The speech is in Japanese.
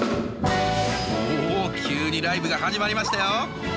おお急にライブが始まりましたよ。